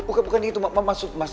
bukan bukan itu mas mas